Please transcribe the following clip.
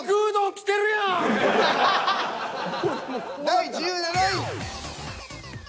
第１７位。